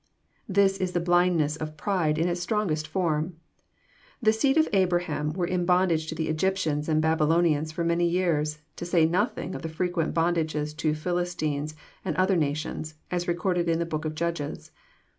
] This is the blind ness of pride in its strongest form. The seed of Abraham were in bondage to the Egyptians and Babylonians for many years, to say nothing of the frequent bondages to Philistines, and other nations, as recorded in the book of Judges.